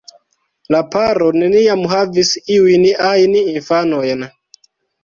La paro neniam havis iujn ajn infanojn.